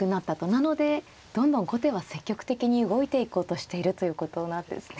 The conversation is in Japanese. なのでどんどん後手は積極的に動いていこうとしているということなんですね。